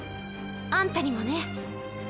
あんたにもね。